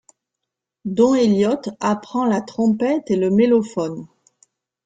Don Elliott apprend la trompette et le mellophone.